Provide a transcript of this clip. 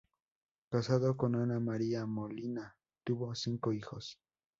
Casado con Ana María Molina, tuvo cinco hijos.